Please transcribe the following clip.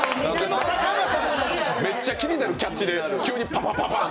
めっちゃ気になるキャッチでパパパパン！